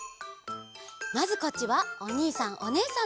まずこっちはおにいさんおねえさんのえ。